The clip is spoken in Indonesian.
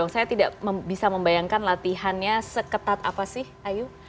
saya tidak bisa membayangkan latihannya seketat apa sih ayu